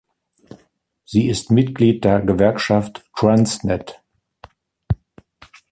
Sie ist Mitglied der Gewerkschaft Transnet.